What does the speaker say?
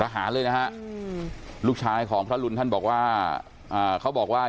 ประหารเลยนะครับลูกชายของพระอลุนท่านบอกว่า